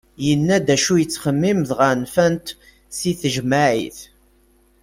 Yenna-d acu yettxemmim dɣa nfan-t si tejmaɛit.